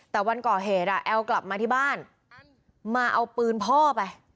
แต่วันก่อเหตุแอลกลับมาที่บ้านมาเอาปืนพ่อไป